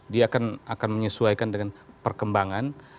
dia akan menyesuaikan dengan perkembangan